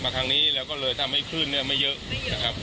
ครั้งนี้แล้วก็เลยทำให้คลื่นเนี่ยไม่เยอะนะครับ